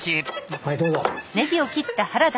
はいどうだ！